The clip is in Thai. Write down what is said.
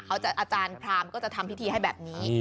อาจารย์พรามก็จะทำพิธีให้แบบนี้